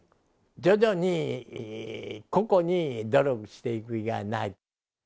徐々に個々に努力していく以外ない。